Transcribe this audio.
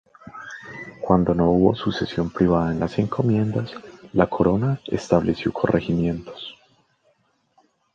Cuando no hubo sucesión privada en las encomiendas la Corona estableció Corregimientos.